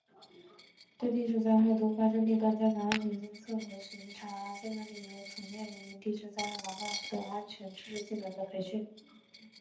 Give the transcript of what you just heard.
对地质灾害多发地段加强安全监测和巡查；加强旅游从业人员地质灾害防范等安全知识技能的培训